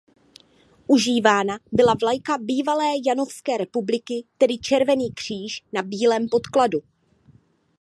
Užívána byla vlajka bývalé Janovské republiky tedy červený kříž na bílém podkladu.